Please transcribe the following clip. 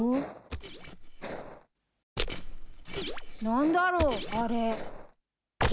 何だろうあれ。